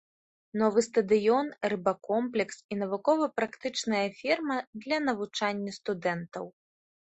Новы стадыён, рыбакомплекс і навукова-практычная ферма для навучання студэнтаў.